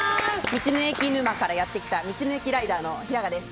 道の駅沼からやってきた道の駅ライダーの平賀です。